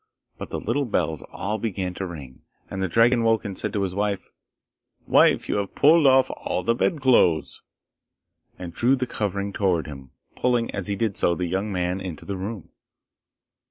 But the little bells all began to ring, and the dragon woke and said to his wife, 'Wife, you have pulled off all the bed clothes!' and drew the covering towards him, pulling, as he did so, the young man into the room.